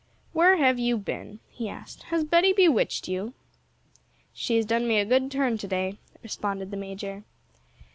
'Where have you been?' he asked; 'has Betty bewitched you?' 'She has done me a good turn to day,' responded the major.